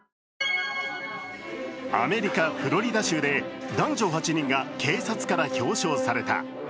アメリカ・フロリダ州で男女８人が警察から表彰された。